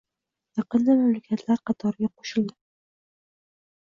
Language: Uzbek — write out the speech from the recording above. yaqinda mamlakatlar qatoriga qo'shildi